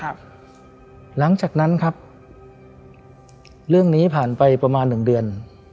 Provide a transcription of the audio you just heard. หลังจากนั้นครับเรื่องนี้ผ่านไปประมาณหนึ่งเดือน